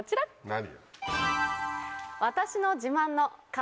何？